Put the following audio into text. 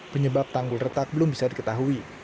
penyebab tanggul retak belum bisa diketahui